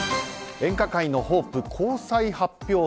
演歌界のホープ交際発表